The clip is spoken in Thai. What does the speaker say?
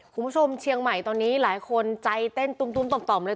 คุณผู้ชมเชียงใหม่ตอนนี้หลายคนใจเต้นตุ้มต่อมเลย